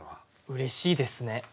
うれしいですね。